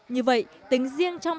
như vậy tính riêng trong